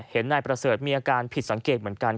นายประเสริฐมีอาการผิดสังเกตเหมือนกัน